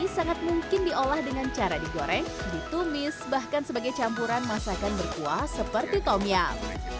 ini sangat mungkin diolah dengan cara digoreng ditumis bahkan sebagai campuran masakan berkuah seperti tomyal